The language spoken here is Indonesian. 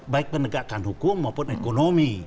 baik penegakan hukum maupun ekonomi